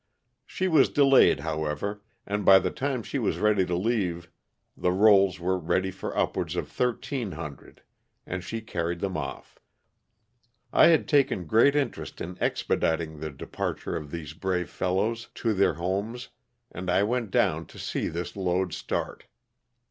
She was delayed, however, and by the time she was ready to leave the rolls were ready for upwards of 1,300, and she carried them off. I had taken great interest in expediting the departure of these brave fellows to their homes and I went down to see this load start.